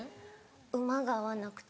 馬が合わなくて。